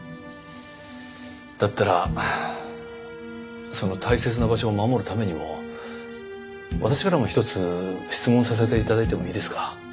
だったらその大切な場所を守るためにも私からも一つ質問させて頂いてもいいですか？